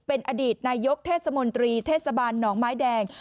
เป็นอดีตนายกเทศมนตรีเทศบาลหนองไม้แดง